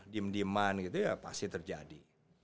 diem dieman gitu ya pasti terjadi